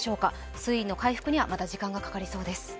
水位の回復にはまだ時間がかかりそうです。